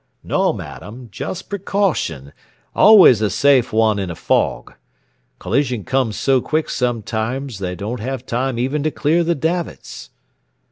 "No, madam, just precaution, and always a safe one in a fog. Collision comes so quick sometimes they don't have time even to clear the davits."